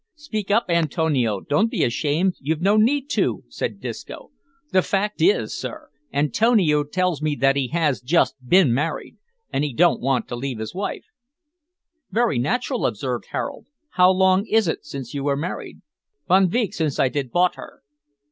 "Speak up, Antonio, don't be ashamed; you've no need to," said Disco. "The fact is, sir, Antonio tells me that he has just bin married, an' he don't want to leave his wife." "Very natural," observed Harold. "How long is it since you were married?" "Von veek since I did bought her."